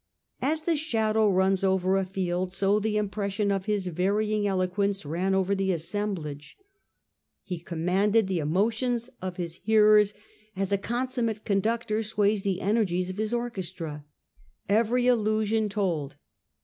As the shadow runs over a field, so the impression of his varying eloquence ran over the assemblage. He 1843. O'CONNELL'S ELOQUENCE. 287 commanded the emotions of his hearers as a con summate conductor sways the energies of his orches tra. Every allusion told.